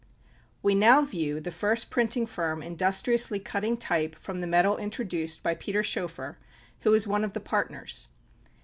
We now view the first printing firm industriously cutting type from the metal introduced by Peter Schoeffer, who is one of the partners.